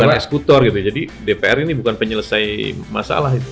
bukan eksekutor gitu ya jadi dpr ini bukan penyelesai masalah itu